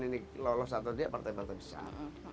ini lolos atau tidak partai partai besar